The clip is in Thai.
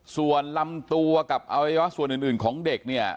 ส่วนลำตัวกับอวัยวะส่วนอื่นของเด็กเนี่ย